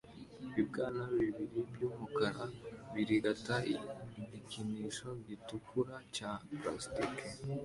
Ibibwana bibiri byumukara birigata igikinisho gitukura cya plastiki